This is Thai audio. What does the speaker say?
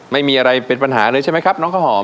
ไม่มีอะไรเป็นปัญหาเลยใช่ไหมครับน้องข้าวหอม